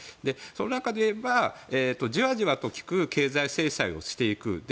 その中でいえば、じわじわと効く経済制裁をしていく。